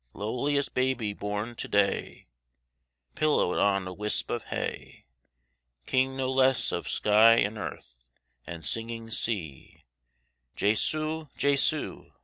Lowliest baby born to day, Pillowed on a wisp of hay; King no less of sky and earth, And singing sea; Jesu! Jesu!